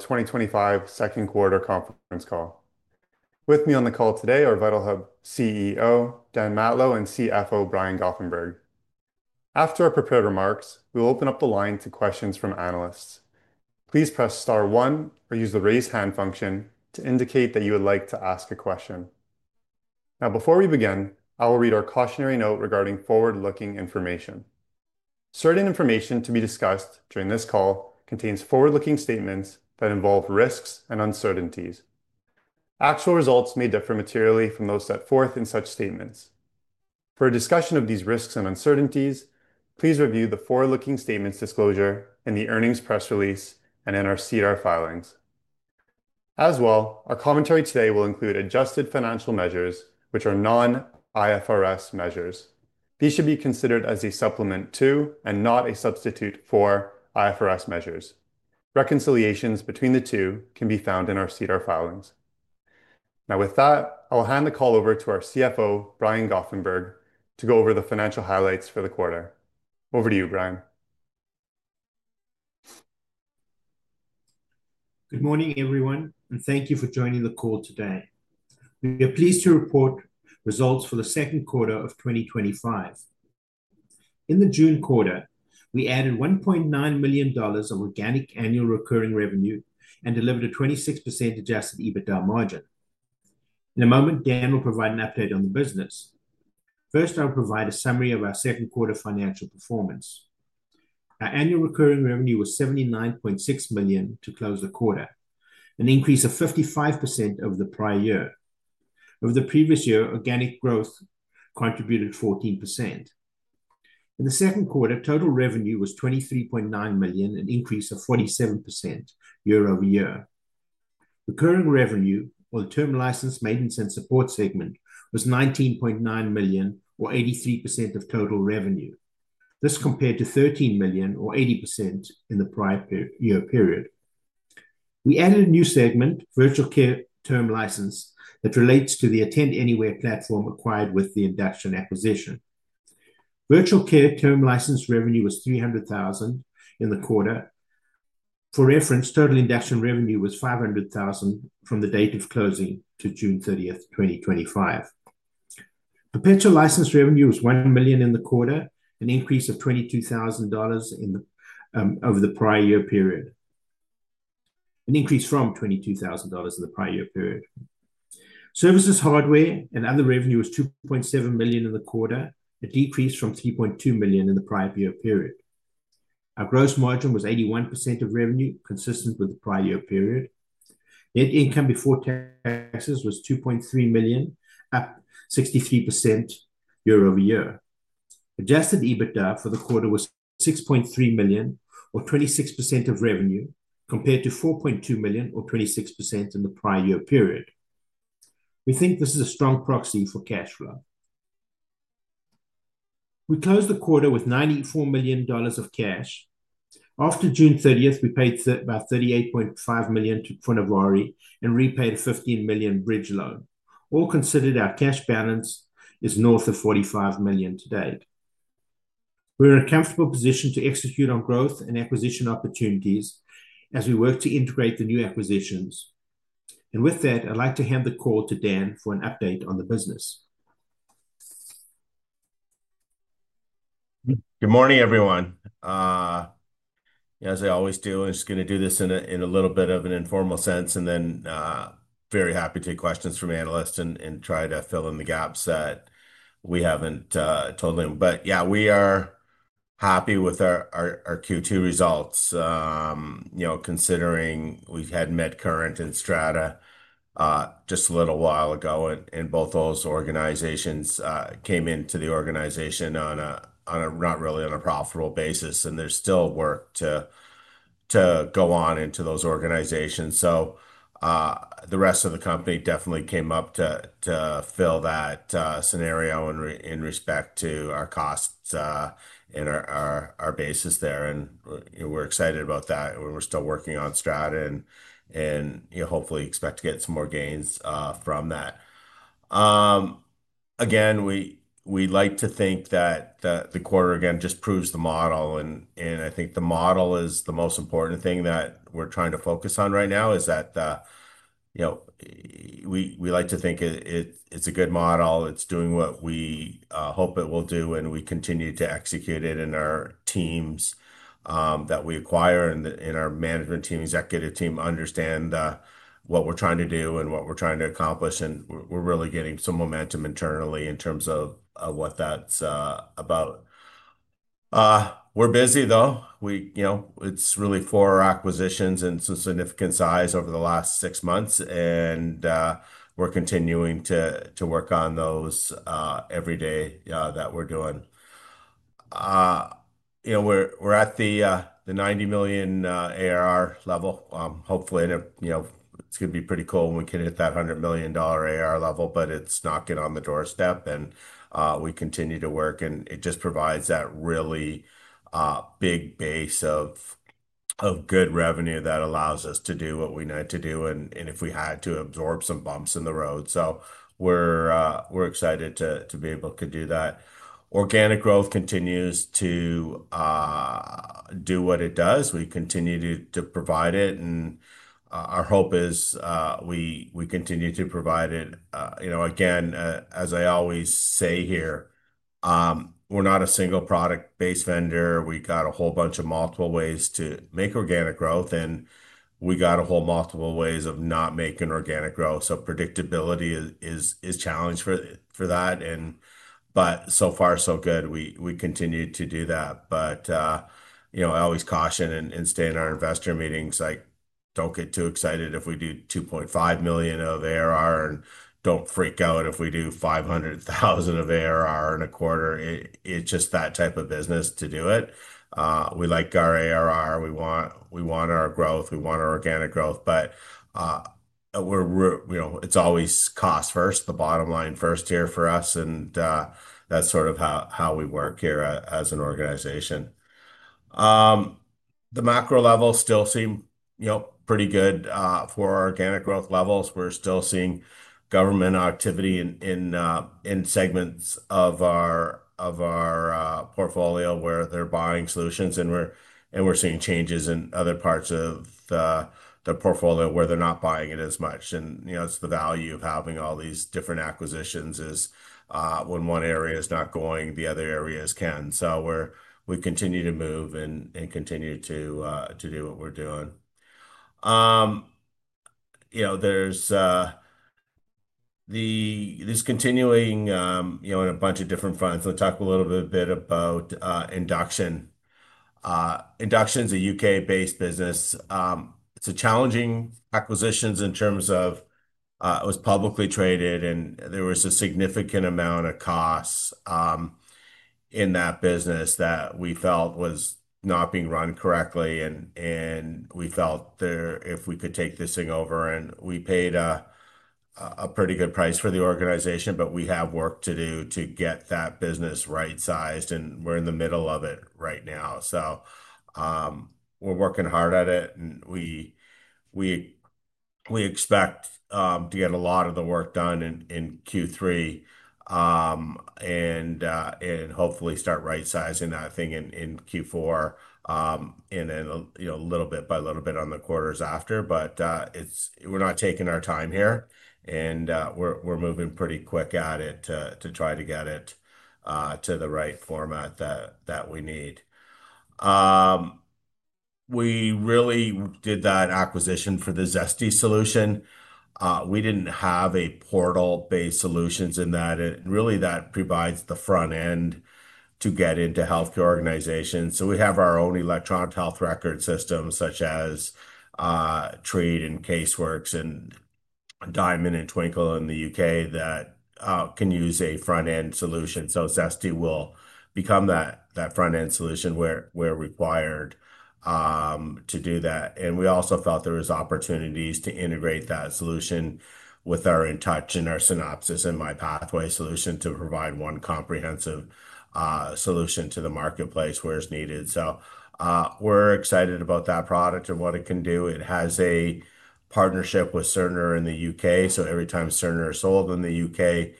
2025 Second Quarter Conference Call. With me on the call today are VitalHub CEO Dan Matlow and CFO Brian Goffenberg. After our prepared remarks, we'll open up the line to questions from analysts. Please press star one or use the raise hand function to indicate that you would like to ask a question. Now, before we begin, I will read our cautionary note regarding forward-looking information. Certain information to be discussed during this call contains forward-looking statements that involve risks and uncertainties. Actual results may differ materially from those set forth in such statements. For a discussion of these risks and uncertainties, please review the forward-looking statements disclosure and the earnings press release and NRCR filings. As well, our commentary today will include adjusted financial measures, which are non-IFRS measures. These should be considered as a supplement to and not a substitute for IFRS measures. Reconciliations between the two can be found in our CEDR filings. Now, with that, I will hand the call over to our CFO, Brian Goffenberg, to go over the financial highlights for the quarter. Over to you, Brian. Good morning, everyone, and thank you for joining the call today. We are pleased to report results for the second quarter of 2025. In the June quarter, we added $1.9 million of organic annual recurring revenue and delivered a 26% adjusted EBITDA margin. In a moment, Dan will provide an update on the business. First, I will provide a summary of our second quarter financial performance. Our annual recurring revenue was $79.6 million to close the quarter, an increase of 55% over the prior year. Over the previous year, organic growth contributed 14%. In the second quarter, total revenue was $23.9 million, an increase of 47% year-over-year. Recurring revenue, or the term license, maintenance, and support segment, was $19.9 million, or 83% of total revenue. This compared to $13 million, or 80% in the prior year period. We added a new segment, virtual care term license, that relates to the Attend Anywhere platform acquired with the Induction acquisition. Virtual care term license revenue was $300,000 in the quarter. For reference, total Induction revenue was $500,000 from the date of closing to June 30th, 2025. Perpetual license revenue was $1 million in the quarter, an increase of $22,000 over the prior year period, an increase from $22,000 in the prior year period. Services, hardware, and other revenue was $2.7 million in the quarter, a decrease from $3.2 million in the prior year period. Our gross margin was 81% of revenue, consistent with the prior year period. Net income before taxes was $2.3 million, up 63% year-over-year. Adjusted EBITDA for the quarter was $6.3 million, or 26% of revenue, compared to $4.2 million, or 26% in the prior year period. We think this is a strong proxy for cash flow. We closed the quarter with $94 million of cash. After June 30, we paid about $38.5 million to Funabari and repaid a $15 million bridge loan. All considered, our cash balance is north of $45 million to date. We're in a comfortable position to execute on growth and acquisition opportunities as we work to integrate the new acquisitions. With that, I'd like to hand the call to Dan for an update on the business. Good morning, everyone. As I always do, I'm just going to do this in a little bit of an informal sense and then very happy to take questions from analysts and try to fill in the gaps that we haven't totally. We are happy with our Q2 results. You know, considering we had MedCurrent and Strata just a little while ago and both those organizations came into the organization not really on a profitable basis, and there's still work to go on into those organizations. The rest of the company definitely came up to fill that scenario in respect to our costs and our basis there. We're excited about that. We're still working on Strata and hopefully expect to get some more gains from that. We like to think that the quarter again just proves the model. I think the model is the most important thing that we're trying to focus on right now. We like to think it's a good model. It's doing what we hope it will do, and we continue to execute it in our teams that we acquire and our management team, executive team understand what we're trying to do and what we're trying to accomplish. We're really getting some momentum internally in terms of what that's about. We're busy, though. It's really four acquisitions in some significant size over the last six months, and we're continuing to work on those every day that we're doing. We're at the $90 million ARR level. Hopefully, it's going to be pretty cool when we can hit that $100 million ARR level, but it's knocking on the doorstep, and we continue to work, and it just provides that really big base of good revenue that allows us to do what we need to do and if we had to absorb some bumps in the road. We're excited to be able to do that. Organic growth continues to do what it does. We continue to provide it, and our hope is we continue to provide it. As I always say here, we're not a single product-based vendor. We've got a whole bunch of multiple ways to make organic growth, and we've got a whole multiple ways of not making organic growth. Predictability is a challenge for that. So far, so good. We continue to do that. I always caution and stay in our investor meetings. Don't get too excited if we do $2.5 million of ARR and don't freak out if we do $500,000 of ARR in a quarter. It's just that type of business to do it. We like our ARR. We want our growth. We want our organic growth. We're always cost first, the bottom line first here for us. That's sort of how we work here as an organization. The macro levels still seem pretty good for organic growth levels. We're still seeing government activity in segments of our portfolio where they're buying solutions, and we're seeing changes in other parts of the portfolio where they're not buying it as much. The value of having all these different acquisitions is when one area is not going, the other areas can. We continue to move and continue to do what we're doing. There's this continuing in a bunch of different fronts. We'll talk a little bit about Induction. Induction is a U.K.-based business. It's a challenging acquisition in terms of it was publicly traded, and there was a significant amount of cost in that business that we felt was not being run correctly. We felt if we could take this thing over, and we paid a pretty good price for the organization, but we have work to do to get that business right-sized, and we're in the middle of it right now. We're working hard at it, and we expect to get a lot of the work done in Q3 and hopefully start right-sizing that thing in Q4 and then a little bit by little bit on the quarters after. We're not taking our time here, and we're moving pretty quick at it to try to get it to the right format that we need. We really did that acquisition for the Zesty solution. We didn't have a portal-based solution in that. It really provides the front end to get into healthcare organizations. We have our own electronic health record systems such as Trade and Caseworks and Diamond and Twinkle in the U.K. that can use a front-end solution. Zesty will become that front-end solution where we're required to do that. We also felt there were opportunities to integrate that solution with our InTouch and our Synopsys and MyPathway solution to provide one comprehensive solution to the marketplace where it's needed. We're excited about that product and what it can do. It has a partnership with Cerner in the U.K. Every time Cerner is sold in the U.K.,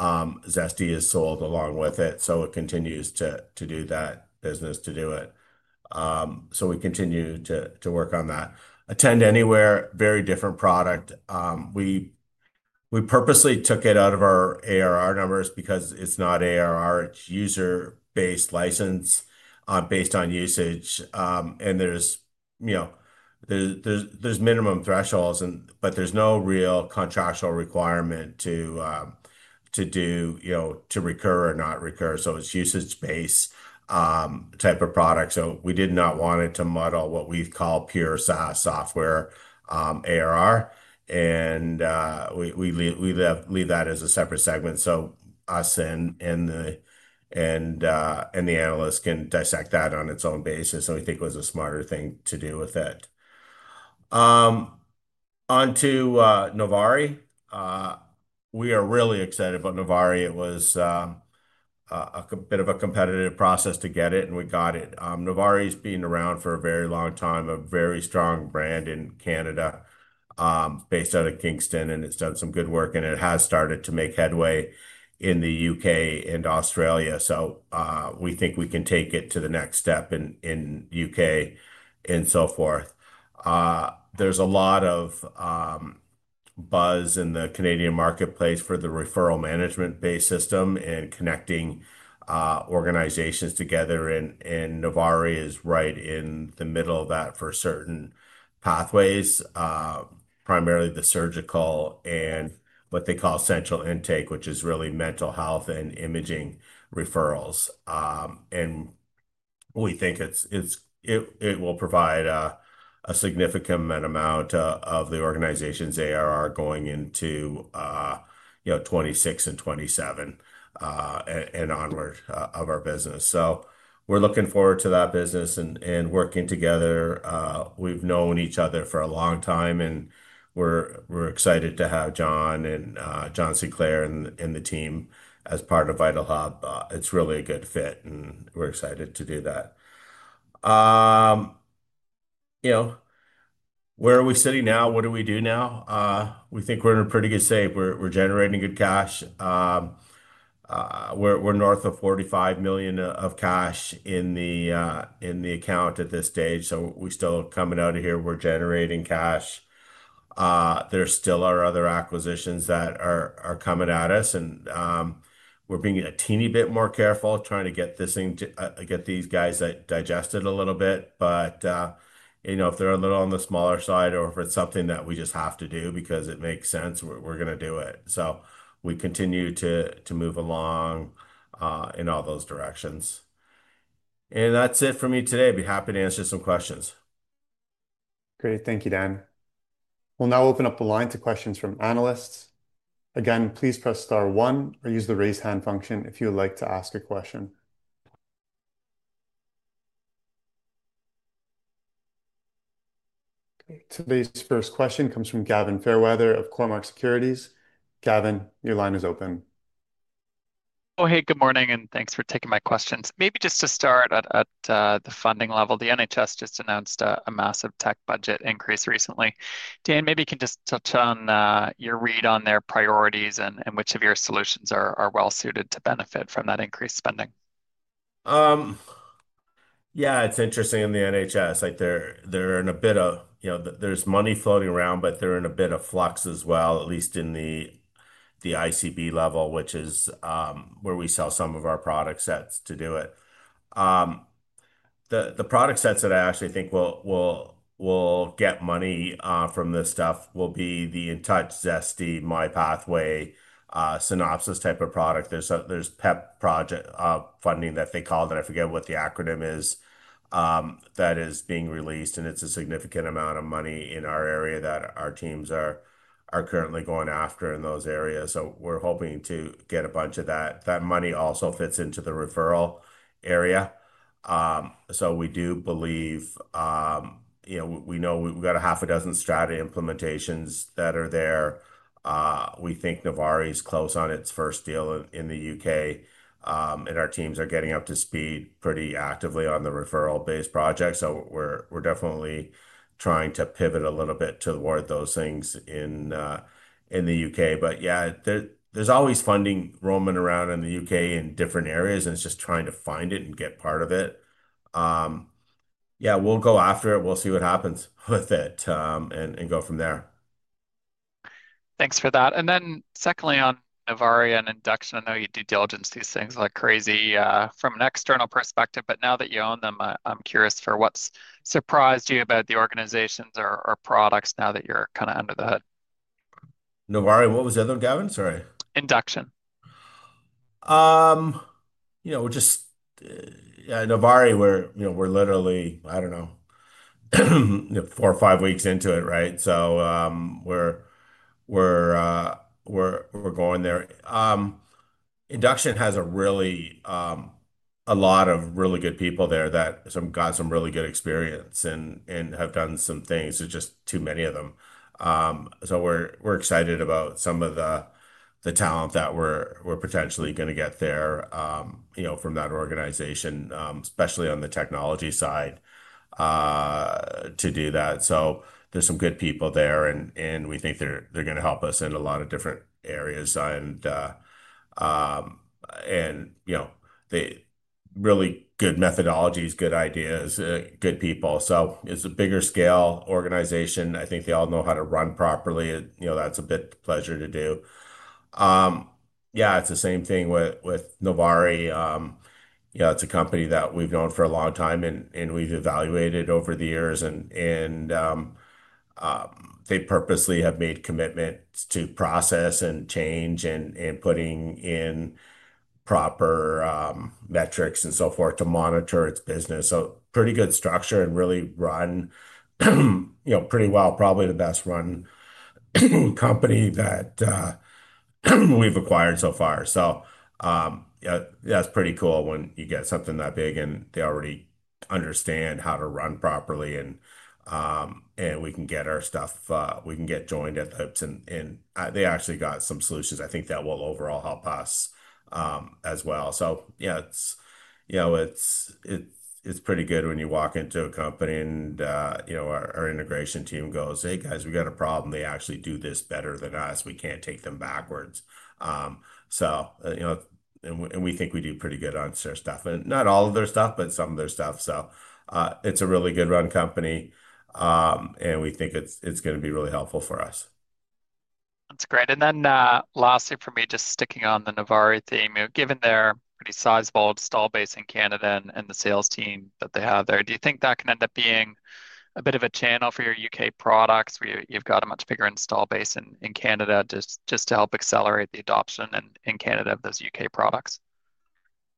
Zesty is sold along with it. It continues to do that business to do it. We continue to work on that. Attend Anywhere, very different product. We purposely took it out of our ARR numbers because it's not ARR. It's user-based license based on usage. There are minimum thresholds, but there's no real contractual requirement to recur or not recur. It is a usage-based type of product. We did not want it to muddle what we call pure SaaS software ARR, and we leave that as a separate segment so we and the analysts can dissect that on its own basis. We think it was a smarter thing to do with it. Onto Novari. We are really excited about Novari. It was a bit of a competitive process to get it, and we got it. Novari has been around for a very long time, a very strong brand in Canada based out of Kingston, and it's done some good work. It has started to make headway in the U.K. and Australia. We think we can take it to the next step in the U.K. and so forth. There is a lot of buzz in the Canadian marketplace for the referral management-based system and connecting organizations together, and Novari is right in the middle of that for certain pathways, primarily the surgical and what they call essential intake, which is really mental health and imaging referrals. We think it will provide a significant amount of the organization's ARR going into 2026 and 2027 and onward of our business. We are looking forward to that business and working together. We've known each other for a long time, and we're excited to have John and John Sinclair in the team as part of VitalHub. It's really a good fit, and we're excited to do that. Where are we sitting now? What do we do now? We think we're in pretty good shape. We're generating good cash. We're north of $45 million of cash in the account at this stage. We're still coming out of here. We're generating cash. There still are other acquisitions that are coming at us, and we're being a teeny bit more careful trying to get this thing to get these guys digested a little bit. If they're a little on the smaller side or if it's something that we just have to do because it makes sense, we're going to do it. We continue to move along in all those directions. That's it for me today. I'd be happy to answer some questions. Great. Thank you, Dan. We'll now open up the line to questions from analysts. Again, please press star one or use the raise hand function if you would like to ask a question. Today's first question comes from Gavin Fairweather of Cormark Securities. Gavin, your line is open. Good morning, and thanks for taking my questions. Maybe just to start at the funding level, the NHS just announced a massive tech budget increase recently. Dan, maybe you can just touch on your read on their priorities and which of your solutions are well suited to benefit from that increased spending? Yeah, it's interesting in the NHS. They're in a bit of, you know, there's money floating around, but they're in a bit of flux as well, at least in the ICB level, which is where we sell some of our product sets to do it. The product sets that I actually think will get money from this stuff will be the InTouch, Zesty, MyPathway, Synopsys type of product. There's PEP project funding that they call that. I forget what the acronym is that is being released, and it's a significant amount of money in our area that our teams are currently going after in those areas. We're hoping to get a bunch of that. That money also fits into the referral area. We do believe, you know, we know we've got a half a dozen strategy implementations that are there. We think Novari is close on its first deal in the U.K., and our teams are getting up to speed pretty actively on the referral-based project. We're definitely trying to pivot a little bit toward those things in the U.K. There's always funding roaming around in the U.K. in different areas, and it's just trying to find it and get part of it. We'll go after it. We'll see what happens with it and go from there. Thanks for that. Secondly, on Novari and Induction, I know you do diligence these things like crazy from an external perspective, but now that you own them, I'm curious for what’s surprised you about the organizations or products now that you're kind of under that. Novari, what was the other, Gavin? Sorry. Induction. We're just, yeah, Novari, we're literally, I don't know, four or five weeks into it, right? We're going there. Induction has a lot of really good people there that have got some really good experience and have done some things. There are just too many of them. We're excited about some of the talent that we're potentially going to get there from that organization, especially on the technology side to do that. There are some good people there, and we think they're going to help us in a lot of different areas, really good methodologies, good ideas, good people. It's a bigger scale organization. I think they all know how to run properly. That's a bit of a pleasure to do. It's the same thing with Novari. It's a company that we've known for a long time, and we've evaluated over the years, and they purposely have made commitments to process and change and putting in proper metrics and so forth to monitor its business. Pretty good structure and really run pretty well. Probably the best run company that we've acquired so far. That's pretty cool when you get something that big and they already understand how to run properly and we can get our stuff, we can get joined at the hopes, and they actually got some solutions. I think that will overall help us as well. It's pretty good when you walk into a company and our integration team goes, "Hey guys, we got a problem. They actually do this better than us. We can't take them backwards." We think we do pretty good on their stuff, but not all of their stuff, but some of their stuff. It's a really good run company, and we think it's going to be really helpful for us. That's great. Lastly for me, just sticking on the Novari theme, given their pretty sizable install base in Canada and the sales team that they have there, do you think that can end up being a bit of a channel for your U.K. products where you've got a much bigger install base in Canada just to help accelerate the adoption in Canada of those U.K. products?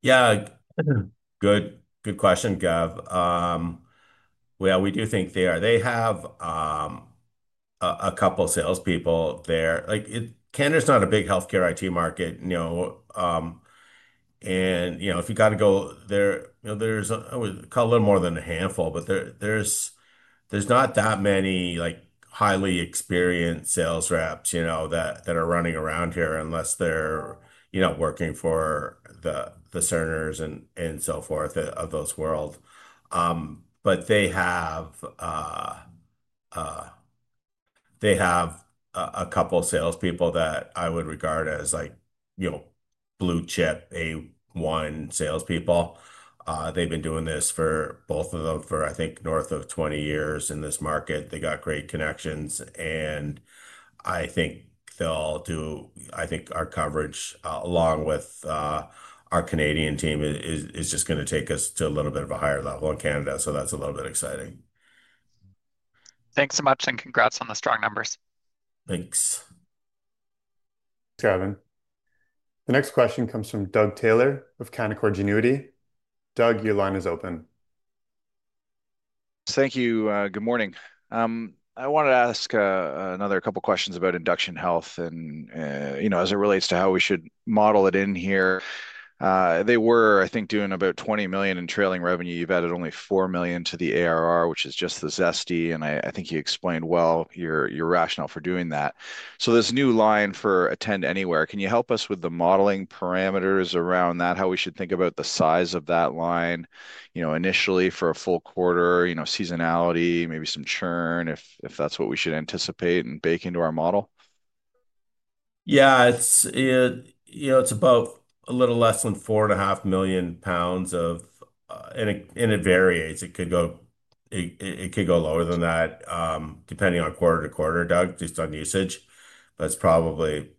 Yeah, good question, Gav. Yeah, we do think they are. They have a couple of salespeople there. Canada's not a big healthcare IT market, you know, and if you got to go there, there's a couple more than a handful, but there's not that many highly experienced sales reps that are running around here unless they're working for the Cerners and so forth of those worlds. They have a couple of salespeople that I would regard as blue chip A1 salespeople. They've been doing this, both of them, for I think north of 20 years in this market. They got great connections, and I think our coverage along with our Canadian team is just going to take us to a little bit of a higher level in Canada. That's a little bit exciting. Thanks so much, and congrats on the strong numbers. Thanks. Thanks, Gavin. The next question comes from Doug Taylor of Canaccord Genuity. Doug, your line is open. Thank you. Good morning. I wanted to ask another couple of questions about Induction Health and, you know, as it relates to how we should model it in here. They were, I think, doing about $20 million in trailing revenue. You've added only $4 million to the ARR, which is just the Zesty, and I think you explained well your rationale for doing that. This new line for Attend Anywhere, can you help us with the modeling parameters around that, how we should think about the size of that line, initially for a full quarter, seasonality, maybe some churn if that's what we should anticipate and bake into our model? Yeah, it's about a little less than 4.5 million pounds, and it varies. It could go lower than that depending on quarter to quarter, Doug, just on usage. That's probably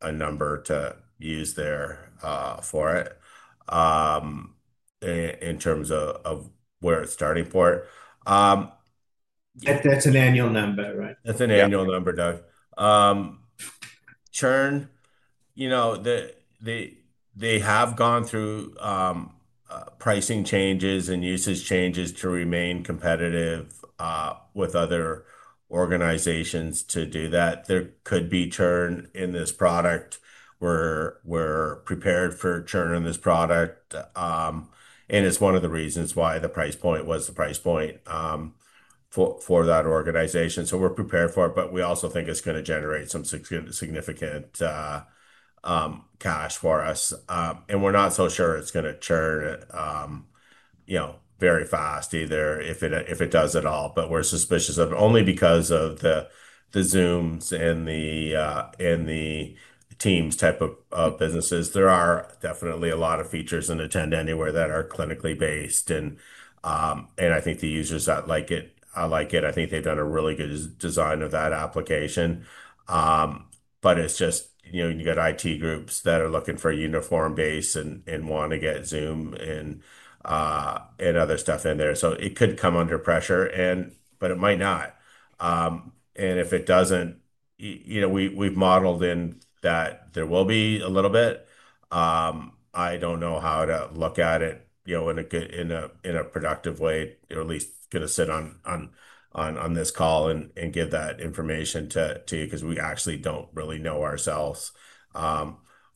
a number to use there for it in terms of where it's starting for it. That's an annual number, right? That's an annual number, Doug. Churn, you know, they have gone through pricing changes and usage changes to remain competitive with other organizations to do that. There could be churn in this product. We're prepared for churn in this product, and it's one of the reasons why the price point was the price point for that organization. We're prepared for it, but we also think it's going to generate some significant cash for us. We're not so sure it's going to churn very fast either if it does at all, but we're suspicious of it only because of the Zooms and the Teams type of businesses. There are definitely a lot of features in Attend Anywhere that are clinically based, and I think the users that like it, I like it. I think they've done a really good design of that application. You got IT groups that are looking for a uniform base and want to get Zoom and other stuff in there. It could come under pressure, but it might not. If it doesn't, we've modeled in that there will be a little bit. I don't know how to look at it in a productive way, at least going to sit on this call and give that information to you because we actually don't really know ourselves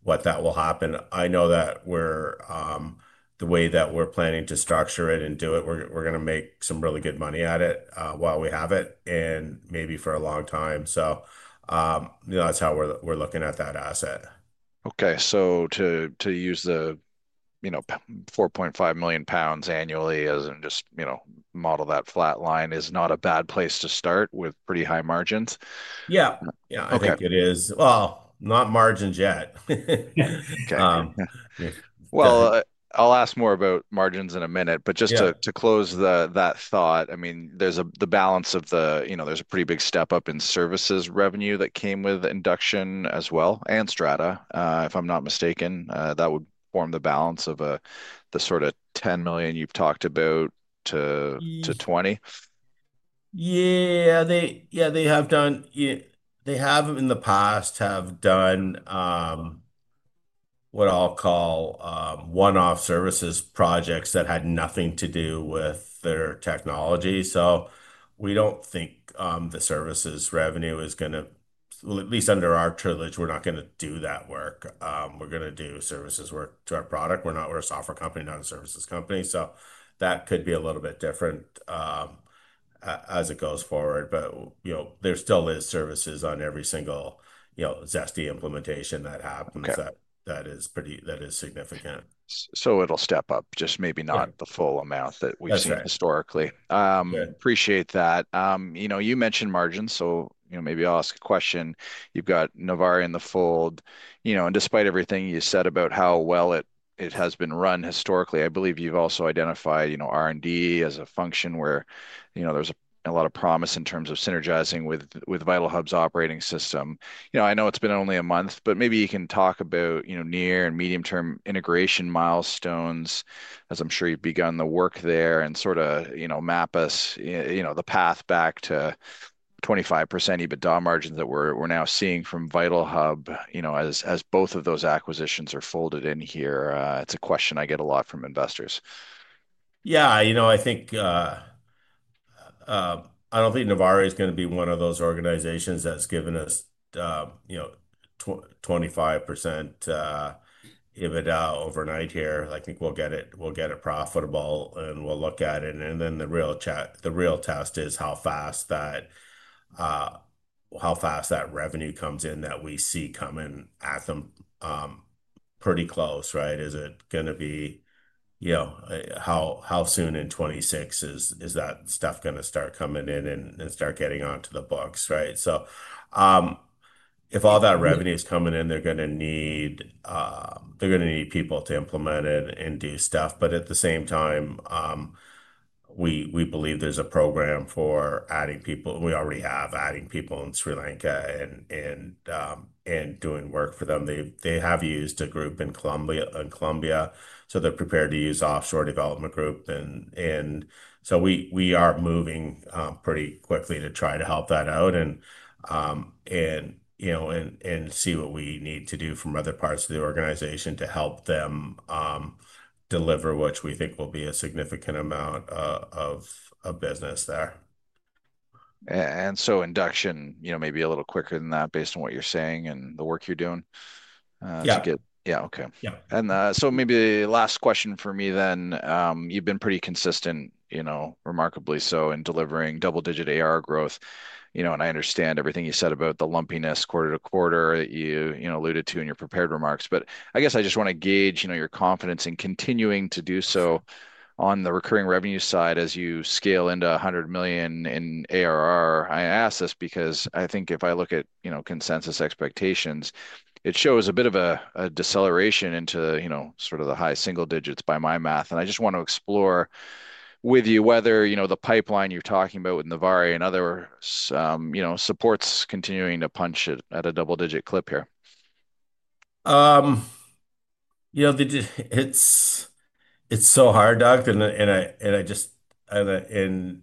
what that will happen. I know that the way that we're planning to structure it and do it, we're going to make some really good money at it while we have it and maybe for a long time. That's how we're looking at that asset. Okay, to use the 4.5 million pounds annually as in just, you know, model that flat line is not a bad place to start with pretty high margins. Yeah, I think it is. Not margins yet. Okay. I'll ask more about margins in a minute, but just to close that thought, there's the balance of the, you know, there's a pretty big step up in services revenue that came with Induction as well and Strata, if I'm not mistaken, that would form the balance of the sort of $10 million you've talked about to $20 million. Yeah, they have done, they have in the past have done what I'll call one-off services projects that had nothing to do with their technology. We don't think the services revenue is going to, at least under our privilege, we're not going to do that work. We're going to do services work to our product. We're not, we're a software company, not a services company. That could be a little bit different as it goes forward. You know, there still is services on every single, you know, Zesty implementation that happens that is pretty, that is significant. It'll step up, just maybe not the full amount that we've seen historically. Appreciate that. You mentioned margins, so maybe I'll ask a question. You've got Novari in the fold, and despite everything you said about how well it has been run historically, I believe you've also identified R&D as a function where there's a lot of promise in terms of synergizing with VitalHub's operating system. I know it's been only a month, but maybe you can talk about near and medium-term integration milestones, as I'm sure you've begun the work there, and sort of map us the path back to 25% EBITDA margins that we're now seeing from VitalHub, as both of those acquisitions are folded in here. It's a question I get a lot from investors. Yeah, you know, I think, I don't think Novari Health is going to be one of those organizations that's given us, you know, 25% EBITDA overnight here. I think we'll get it, we'll get it profitable, and we'll look at it. The real test is how fast that revenue comes in that we see coming at them. Pretty close, right? Is it going to be, you know, how soon in 2026 is that stuff going to start coming in and start getting onto the books, right? If all that revenue is coming in, they're going to need people to implement it and do stuff. At the same time, we believe there's a program for adding people, and we already have adding people in Sri Lanka and doing work for them. They have used a group in Colombia, so they're prepared to use offshore development group. We are moving pretty quickly to try to help that out and, you know, see what we need to do from other parts of the organization to help them deliver, which we think will be a significant amount of business there. Induction, you know, maybe a little quicker than that based on what you're saying and the work you're doing to get. Yeah. Okay. Maybe the last question for me then, you've been pretty consistent, remarkably so in delivering double-digit ARR growth. I understand everything you said about the lumpiness quarter to quarter that you alluded to in your prepared remarks. I just want to gauge your confidence in continuing to do so on the recurring revenue side as you scale into $100 million in ARR. I ask this because I think if I look at consensus expectations, it shows a bit of a deceleration into sort of the high single digits by my math. I just want to explore with you whether the pipeline you're talking about with Novari and others supports continuing to punch it at a double-digit clip here. You know, it's so hard, Doug, and the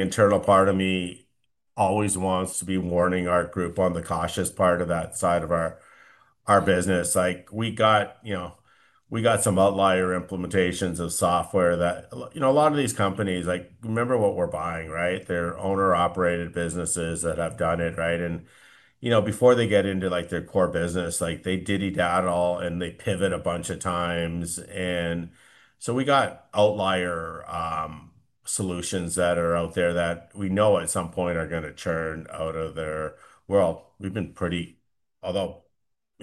internal part of me always wants to be warning our group on the cautious part of that side of our business. We got some outlier implementations of software that a lot of these companies, like remember what we're buying, right? They're owner-operated businesses that have done it, right? Before they get into their core business, they ditty dattle and they pivot a bunch of times. We got outlier solutions that are out there that we know at some point are going to churn out of there. We've been pretty, although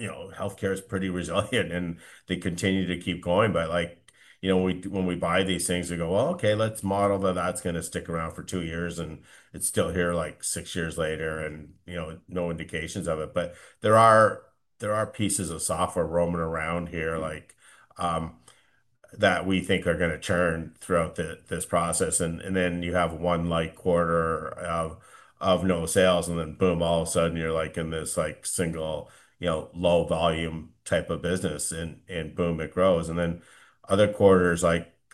healthcare is pretty resilient and they continue to keep going. When we buy these things, we go, well, okay, let's model that that's going to stick around for two years and it's still here six years later and no indications of it. There are pieces of software roaming around here that we think are going to churn throughout this process. You have one quarter of no sales and then boom, all of a sudden you're in this single, low volume type of business and boom, it grows. Other quarters,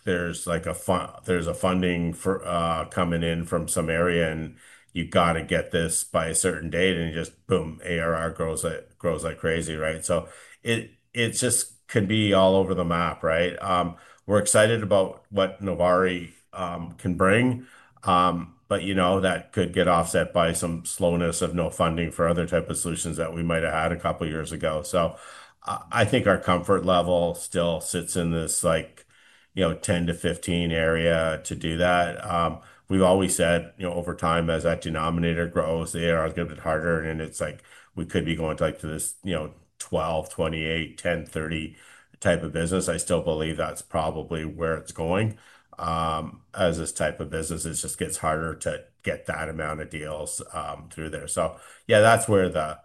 there's a funding for, coming in from some area and you've got to get this by a certain date and you just boom, ARR grows like crazy, right? It just could be all over the map, right? We're excited about what Novari can bring, but that could get offset by some slowness of no funding for other types of solutions that we might have had a couple of years ago. I think our comfort level still sits in this 10-15 area to do that. We've always said, over time as that denominator grows, the ARR is going to get harder and it's like we could be going to this 12, 28, 10, 30 type of business. I still believe that's probably where it's going, as this type of business just gets harder to get that amount of deals through there. That's where the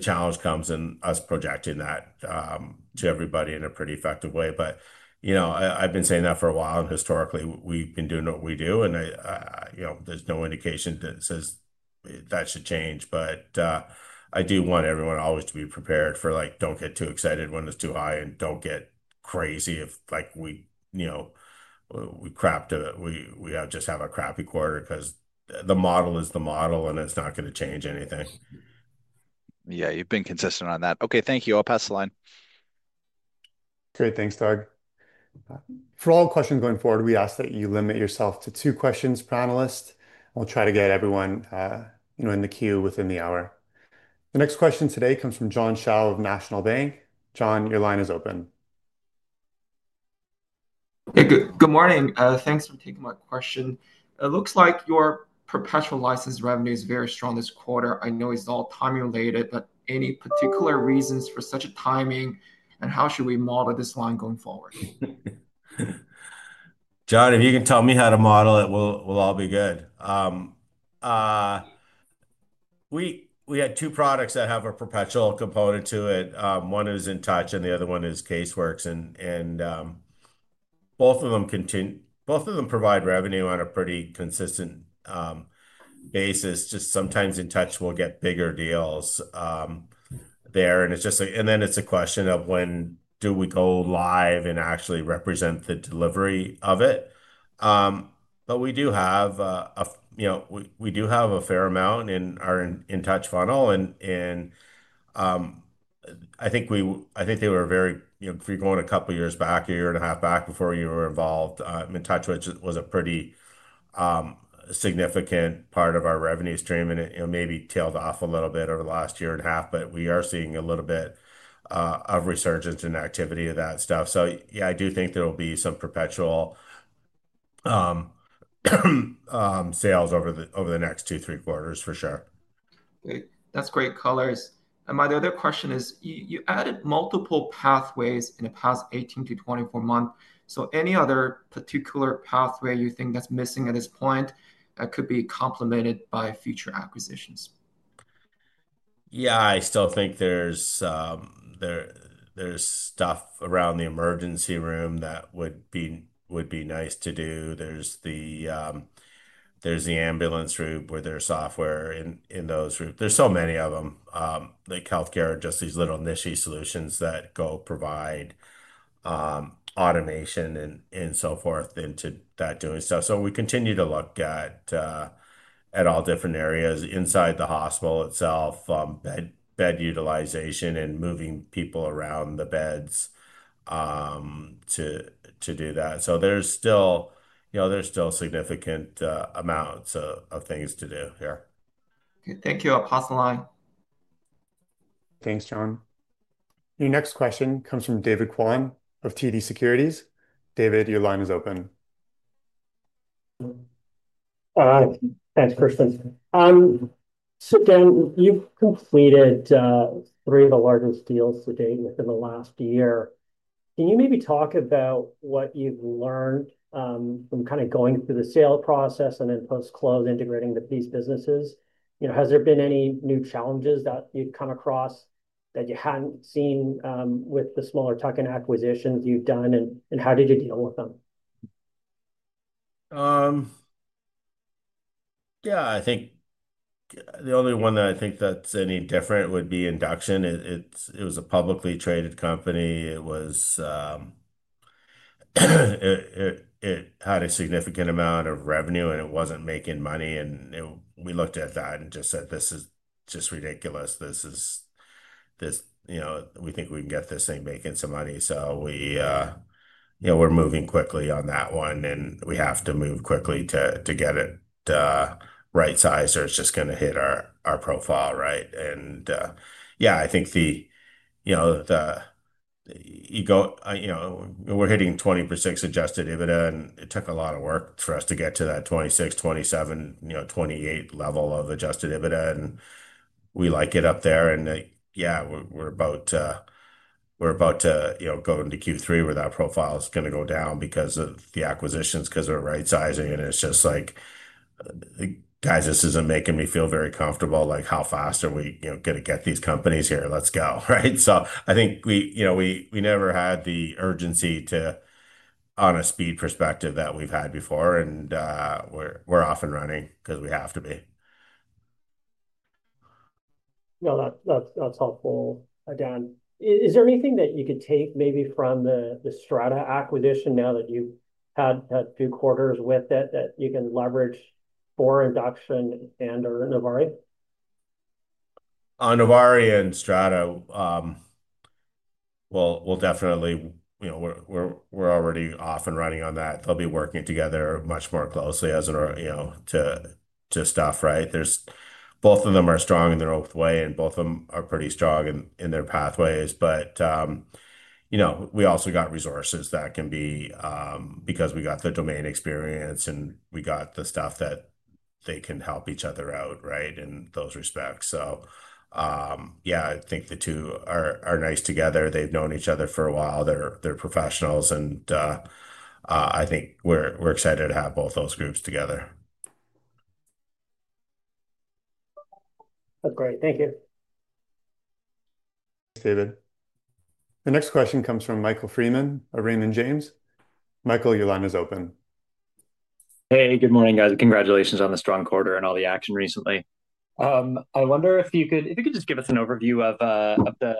challenge comes in us projecting that to everybody in a pretty effective way. I've been saying that for a while and historically we've been doing what we do and there's no indication that says that should change. I do want everyone always to be prepared for, like, don't get too excited when it's too high and don't get crazy if we have just have a crappy quarter because the model is the model and it's not going to change anything. Yeah, you've been consistent on that. Okay, thank you. I'll pass the line. Great, thanks, Doug. For all questions going forward, we ask that you limit yourself to two questions, panelists. We'll try to get everyone in the queue within the hour. The next question today comes from John Shao of National Bank. John, your line is open. Hey, good morning. Thanks for taking my question. It looks like your professional license revenue is very strong this quarter. I know it's all timing related, but any particular reasons for such a timing, and how should we model this line going forward? John, if you can tell me how to model it, we'll all be good. We had two products that have a perpetual component to it. One is InTouch and the other one is Caseworks. Both of them continue, both of them provide revenue on a pretty consistent basis. Sometimes InTouch will get bigger deals there. It's just like, then it's a question of when do we go live and actually represent the delivery of it. We do have a fair amount in our InTouch funnel. I think they were very, if you're going a couple of years back, a year and a half back before you were involved, InTouch was a pretty significant part of our revenue stream. It may be tailed off a little bit over the last year and a half, but we are seeing a little bit of resurgence in activity of that stuff. I do think there will be some perpetual sales over the next two, three quarters for sure. Great. That's great colors. My other question is you added multiple pathways in the past 18-24 months. Any other particular pathway you think that's missing at this point that could be complemented by future acquisitions? Yeah, I still think there's stuff around the emergency room that would be nice to do. There's the ambulance route where there's software in those routes. There are so many of them. Healthcare are just these little niche solutions that go provide automation and so forth into that doing stuff. We continue to look at all different areas inside the hospital itself, bed utilization and moving people around the beds to do that. There's still significant amounts of things to do here. Thank you. I'll pass the line. Thanks, John. Your next question comes from David Kwan of TD Securities. David, your line is open. All right. Thanks, Christian. Dan, you've completed three of the largest deals to date within the last year. Can you maybe talk about what you've learned from going through the sale process and then post-close integrating with these businesses? Has there been any new challenges that you've come across that you hadn't seen with the smaller tuck-in acquisitions you've done? How did you deal with them? Yeah, I think the only one that I think that's any different would be Induction. It was a publicly traded company. It had a significant amount of revenue and it wasn't making money. We looked at that and just said, this is just ridiculous. This is, you know, we think we can get this thing making some money. We're moving quickly on that one and we have to move quickly to get it right-sized or it's just going to hit our profile, right? I think, you know, we're hitting 26% adjusted EBITDA and it took a lot of work for us to get to that 26, 27, 28% level of adjusted EBITDA. We like it up there. We're about to go into Q3 where that profile is going to go down because of the acquisitions, because we're right-sizing. It's just like, guys, this isn't making me feel very comfortable. How fast are we going to get these companies here? Let's go, right? I think we never had the urgency, on a speed perspective, that we've had before. We're off and running because we have to be. No, that's helpful. Dan, is there anything that you could take maybe from the Strata Health Solutions Inc. acquisition now that you've had two quarters with it that you can leverage for Induction and/or Novari? Novari and Strata will definitely, you know, we're already off and running on that. They'll be working together much more closely as an, you know, to stuff, right? Both of them are strong in their own way and both of them are pretty strong in their pathways. We also got resources that can be, because we got the domain experience and we got the stuff that they can help each other out, right? In those respects. I think the two are nice together. They've known each other for a while. They're professionals. I think we're excited to have both those groups together. That's great. Thank you. Thanks, David. The next question comes from Michael Freeman of Raymond James. Michael, your line is open. Hey, good morning, guys. Congratulations on the strong quarter and all the action recently. I wonder if you could just give us an overview of the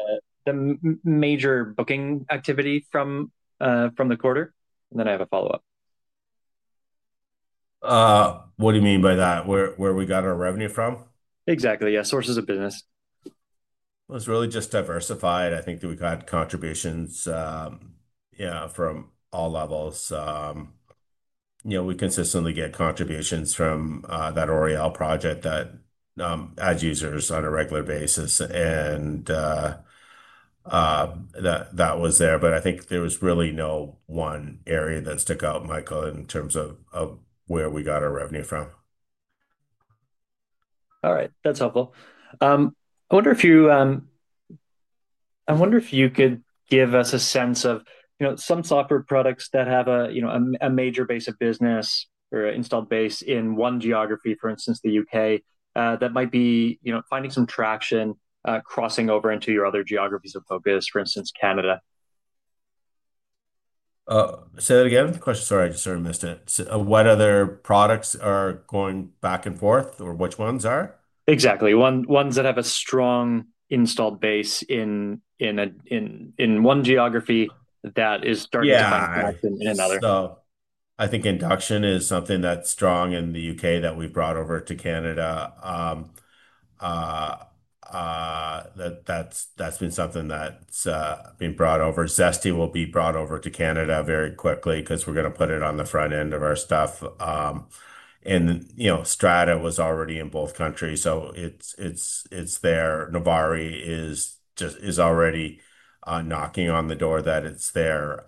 major booking activity from the quarter. I have a follow-up. What do you mean by that? Where we got our revenue from? Exactly, yeah, sources of business. It was really just diversified. I think that we got contributions from all levels. You know, we consistently get contributions from that Oriel project that adds users on a regular basis. That was there. I think there was really no one area that stuck out, Michael, in terms of where we got our revenue from. All right, that's helpful. I wonder if you could give us a sense of some software products that have a major base of business or an installed base in one geography, for instance, the U.K., that might be finding some traction crossing over into your other geographies of focus, for instance, Canada. Sorry, I just sort of missed it. What other products are going back and forth or which ones are? Exactly, ones that have a strong installed base in one geography that is starting to find a connection in another. I think Induction is something that's strong in the UK that we brought over to Canada. That's been something that's been brought over. Zesty will be brought over to Canada very quickly because we're going to put it on the front end of our stuff. Strata was already in both countries, so it's there. Novari is just already knocking on the door that it's there.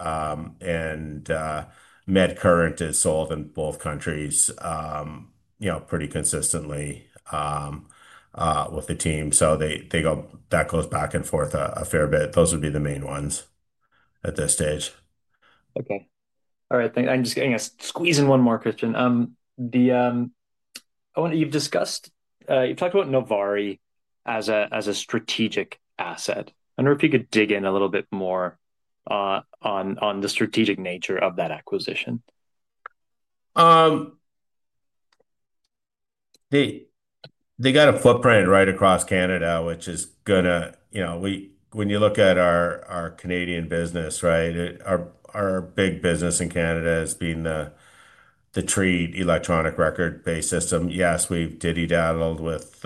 MedCurrent is sold in both countries, you know, pretty consistently with the team. That goes back and forth a fair bit. Those would be the main ones at this stage. Okay. All right. Thanks. I'm just going to squeeze in one more, Christian. I want to, you've discussed, you've talked about Novari as a strategic asset. I wonder if you could dig in a little bit more on the strategic nature of that acquisition. They got a footprint right across Canada, which is going to, you know, when you look at our Canadian business, our big business in Canada is being the Trade electronic health record-based system. Yes, we've ditty dattled with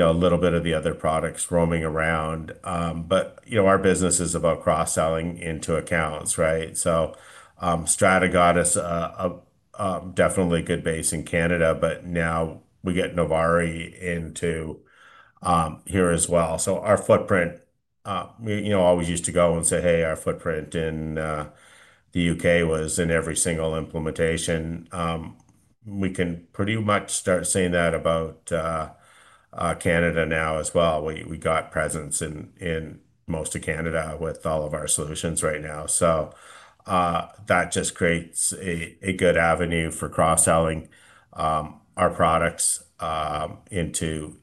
a little bit of the other products roaming around. Our business is about cross-selling into accounts, right? Strata got us a definitely good base in Canada, but now we get Novari into here as well. Our footprint, you know, always used to go and say, hey, our footprint in the UK was in every single implementation. We can pretty much start saying that about Canada now as well. We got presence in most of Canada with all of our solutions right now. That just creates a good avenue for cross-selling our products into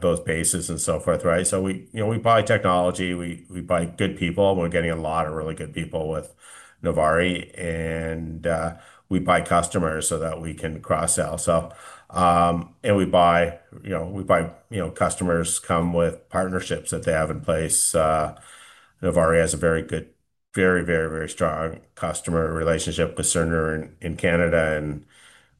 those bases and so forth, right? We buy technology, we buy good people, and we're getting a lot of really good people with Novari. We buy customers so that we can cross-sell. We buy, you know, customers come with partnerships that they have in place. Novari has a very good, very, very, very strong customer relationship with Cerner in Canada.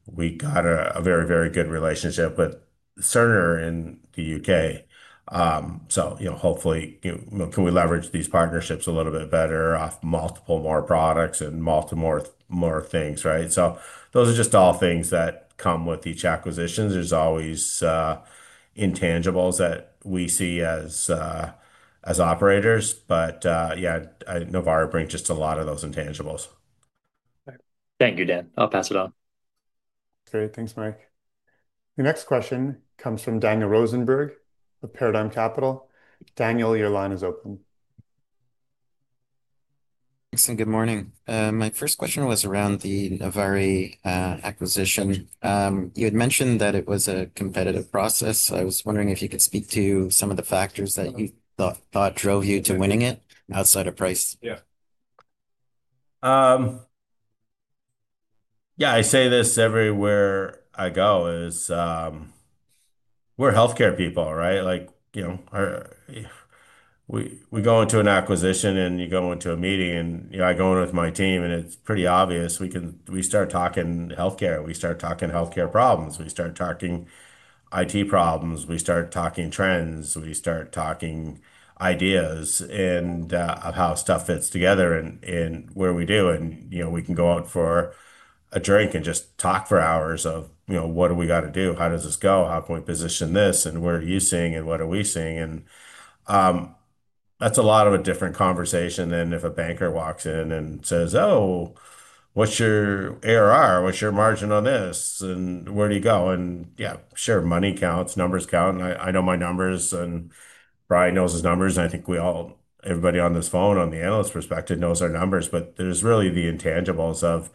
We got a very, very good relationship with Cerner in the UK. Hopefully, you know, can we leverage these partnerships a little bit better off multiple more products and multiple more things, right? Those are just all things that come with each acquisition. There's always intangibles that we see as operators. Novari brings just a lot of those intangibles. Thank you, Dan. I'll pass it on. Great, thanks, Mike. The next question comes from Daniel Rosenberg of Paradigm Capital. Daniel, your line is open. Thanks, and good morning. My first question was around the Novari acquisition. You had mentioned that it was a competitive process. I was wondering if you could speak to some of the factors that you thought drove you to winning it outside of price. Yeah. I say this everywhere I go. We're healthcare people, right? Like, you know, we go into an acquisition and you go into a meeting and, you know, I go in with my team and it's pretty obvious. We start talking healthcare. We start talking healthcare problems. We start talking IT problems. We start talking trends. We start talking ideas and how stuff fits together and what do we do. You know, we can go out for a drink and just talk for hours of, you know, what do we got to do? How does this go? How can we position this? What are you seeing and what are we seeing? That's a lot of a different conversation than if a banker walks in and says, "Oh, what's your ARR? What's your margin on this? Where do you go?" Yeah, sure, money counts, numbers count. I know my numbers and Brian knows his numbers. I think we all, everybody on this phone on the analyst perspective, knows our numbers. There's really the intangibles of,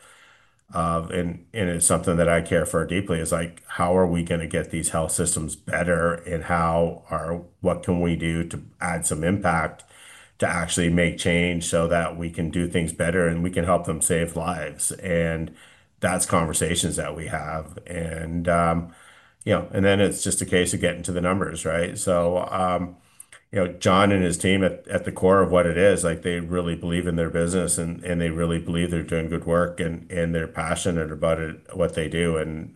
and it's something that I care for deeply. It's like, how are we going to get these health systems better? What can we do to add some impact to actually make change so that we can do things better and we can help them save lives? That's conversations that we have. It's just a case of getting to the numbers, right? John and his team at the core of what it is, like they really believe in their business and they really believe they're doing good work and they're passionate about what they do.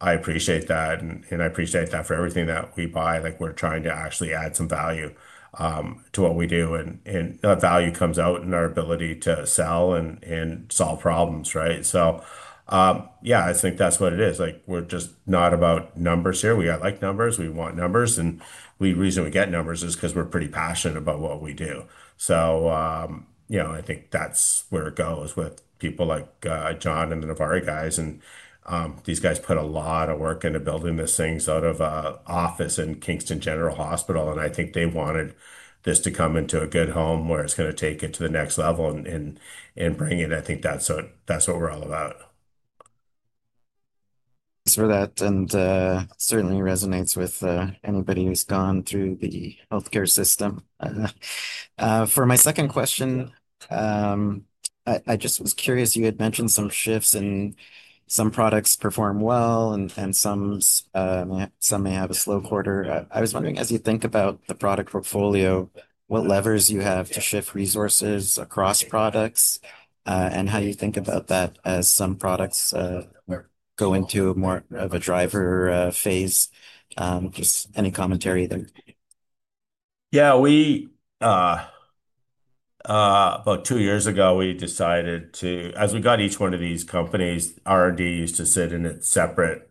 I appreciate that. I appreciate that for everything that we buy, like we're trying to actually add some value to what we do. That value comes out in our ability to sell and solve problems, right? I think that's what it is. We're just not about numbers here. We got like numbers. We want numbers. The reason we get numbers is because we're pretty passionate about what we do. I think that's where it goes with people like John and the Novari guys. These guys put a lot of work into building this thing out of an office in Kingston General Hospital. I think they wanted this to come into a good home where it's going to take it to the next level and bring it. I think that's what we're all about. Thanks for that. It certainly resonates with anybody who's gone through the healthcare system. For my second question, I just was curious. You had mentioned some shifts and some products perform well and some may have a slow quarter. I was wondering, as you think about the product portfolio, what levers you have to shift resources across products and how you think about that as some products go into more of a driver phase. Just any commentary there? Yeah, about two years ago, we decided to, as we got each one of these companies, R&D used to sit in its separate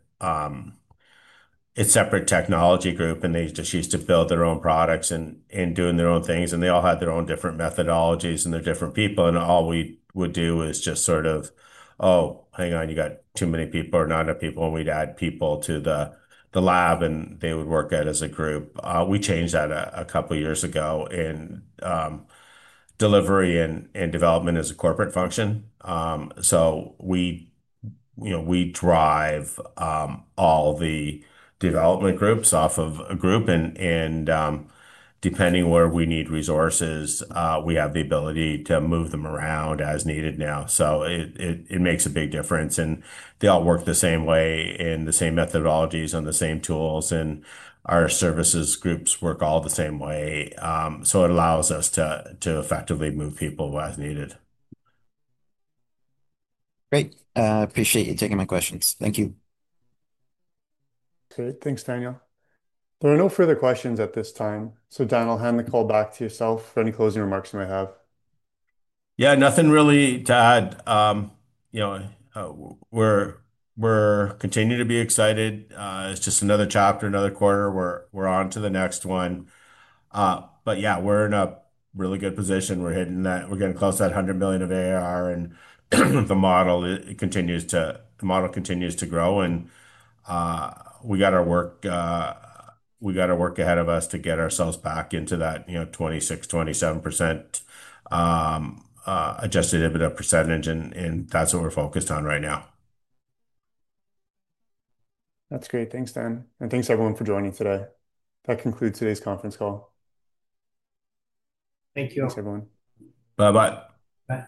technology group and they just used to build their own products and do their own things. They all had their own different methodologies and their different people. All we would do is just sort of, oh, hang on, you got too many people or not enough people. We'd add people to the lab and they would work at it as a group. We changed that a couple of years ago in delivery and development as a corporate function. We drive all the development groups off of a group. Depending where we need resources, we have the ability to move them around as needed now. It makes a big difference. They all work the same way in the same methodologies and the same tools. Our services groups work all the same way. It allows us to effectively move people as needed. Great. I appreciate you taking my questions. Thank you. Great, thanks, Dan. There are no further questions at this time. Dan, I'll hand the call back to yourself for any closing remarks you might have. Yeah, nothing really to add. You know, we're continuing to be excited. It's just another chapter, another quarter. We're on to the next one. Yeah, we're in a really good position. We're hitting that. We're getting close to that $100 million of ARR. The model, it continues to, the model continues to grow. We got our work, we got our work ahead of us to get ourselves back into that 26, 27% adjusted EBITDA percentage. That's what we're focused on right now. That's great. Thanks, Dan. Thanks everyone for joining today. That concludes today's conference call. Thank you. Thanks, everyone. Bye-bye. Bye.